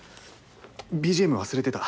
ＢＧＭ忘れてた。